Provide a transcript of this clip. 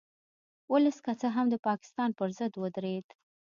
ولس که څه هم د پاکستان په ضد ودرید